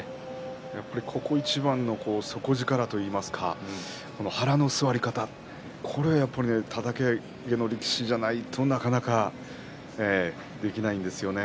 やっぱりここ一番の底力といいますか腹の座り方、これはやっぱりたたき上げの力士じゃないとなかなかできないんですよね。